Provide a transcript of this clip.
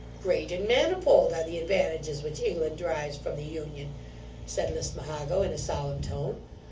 'Great and manifold are the advantages which England derives from the union (said Lismahago, in a solemn tone).